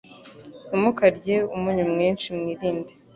Ntimukarye umunyu mwinshi, mwirinde